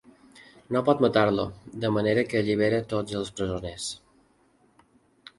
No pot matar-lo, de manera que allibera tots els presoners.